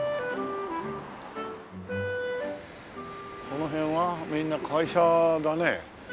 この辺はみんな会社だね。